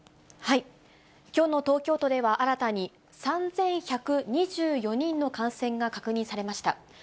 きょうの東京都では新たに、３１２４人の感染が確認されました。